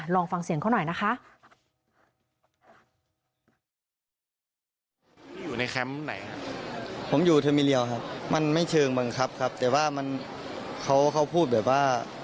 ลองฟังเสียงเขาหน่อยนะคะ